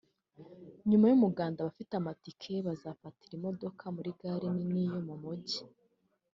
nyuma y’umuganda abafite amatike bazafatira imodoka muri gare nini yo mu Mujyi